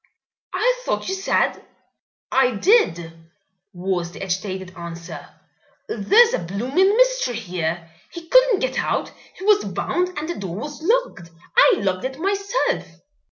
"I thought you said " "I did," was the agitated answer. "There's a bloomin' mystery here. He couldn't get out! He was bound and the door was locked I locked it myself."